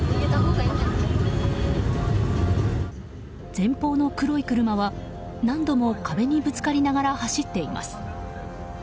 前方の黒い車は何度も壁にぶつかりながら走っています。